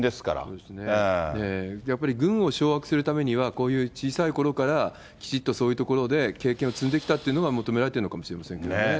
そうですね、やっぱり軍を掌握するためには、こういう小さいころからきちっとそういうところで経験を積んできたというのが、求められてるのかもしれませんけどね。